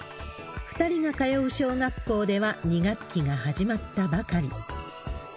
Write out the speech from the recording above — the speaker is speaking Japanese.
２人が通う小学校では２学期が始まったばかり。